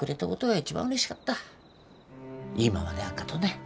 今まであっがとね。